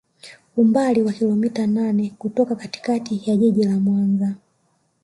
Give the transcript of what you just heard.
Umbali wa kilometa nane kutoka katikati ya Jiji la Mwanza